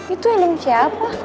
itu helm siapa